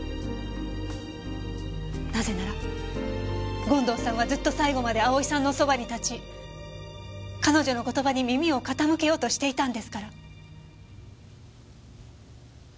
なぜなら権藤さんはずっと最後まで蒼さんの側に立ち彼女の言葉に耳を傾けようとしていたんですから。